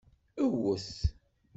Ewwet!